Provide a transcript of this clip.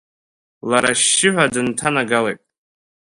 Лара ашьшьыҳәа дынҭанагалеит.